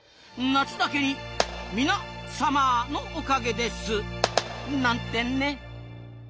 夏だけにミナサマーのおかげですなんてね。